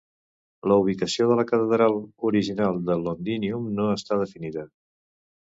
La ubicació de la catedral original de Londinium no està definida.